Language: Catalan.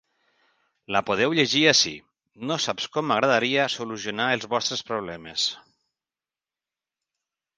La podeu llegir ací: ‘No saps com m’agradaria solucionar els vostres problemes’.